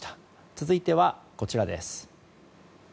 続いては、こちらです。